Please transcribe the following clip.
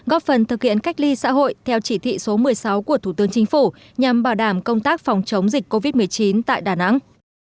góp phần thực hiện cách ly xã hội theo chỉ thị số một mươi sáu của thủ tướng chính phủ nhằm bảo đảm công tác phòng chống dịch covid một mươi chín tại đà nẵng